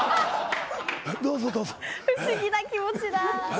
不思議な気持ちだ。